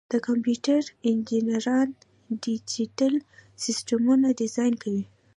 د کمپیوټر انجینران ډیجیټل سیسټمونه ډیزاین کوي.